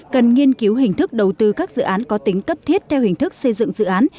cần nghiên cứu hình thức đầu tư các dự án có tính cấp thiết theo hình thức xây dựng dự án